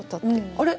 あれ？